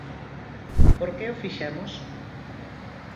¿Por que o fixemos?